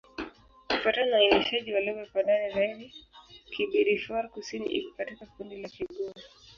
Kufuatana na uainishaji wa lugha kwa ndani zaidi, Kibirifor-Kusini iko katika kundi la Kigur.